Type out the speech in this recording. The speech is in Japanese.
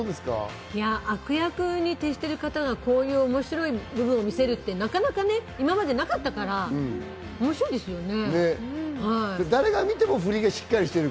悪役に徹してる方がこういう面白い部分を見せるって、なかなか今までなかったから面白いですよね。